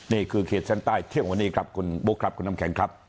เขตเส้นใต้เที่ยงวันนี้ครับคุณบุ๊คครับคุณน้ำแข็งครับ